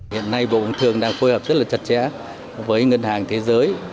hiện nay bộ bộng thường đang phối hợp rất là chặt chẽ với ngân hàng thế giới